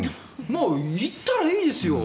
もう行ったらいいですよ。